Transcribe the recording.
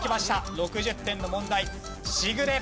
６０点の問題。